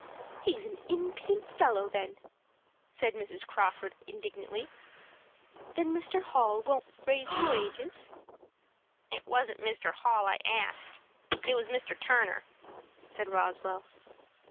"He's an impudent fellow, then!" said Mrs. Crawford, indignantly. "Then Mr. Hall won't raise your wages?" "It wasn't Mr. Hall I asked. It was Mr. Turner," said Roswell.